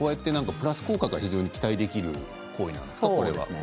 プラス効果が期待できる行為なんですね。